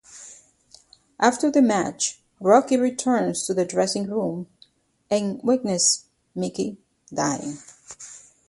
After the match, Rocky returns to the dressing room and witnesses Mickey dying.